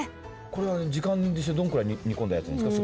これは時間にしてどんくらい煮込んだやつですか？